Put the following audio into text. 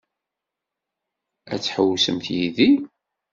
Ad tḥewwsemt yid-i?